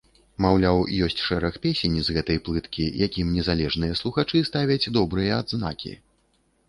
Маўляў, ёсць шэраг песень з гэтай плыткі, якім незалежныя слухачы ставяць добрыя адзнакі.